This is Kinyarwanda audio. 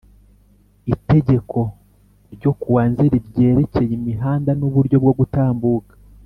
Itegeko n ryo kuwa Nzeri ryerekeye imihanda n uburyo bwo gutambuka